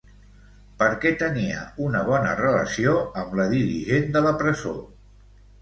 Per què tenia una bona relació amb la dirigent de la presó?